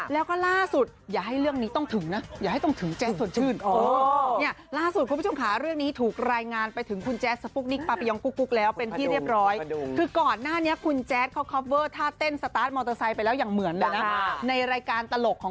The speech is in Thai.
แล้วก็ล่าสุดอย่าให้เรื่องนี้ต้องถึงนะอย่าให้ต้องถึงใจสดชื่น